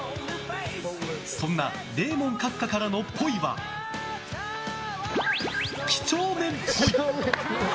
そんなデーモン閣下からのぽいは几帳面っぽい。